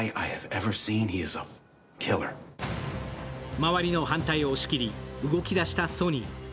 周りの反対を押し切り動き出したソニー。